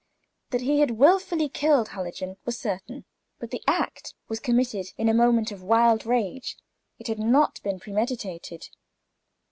That he had willfully killed Hallijohn, was certain; but the act was committed in a moment of wild rage; it had not been premeditated.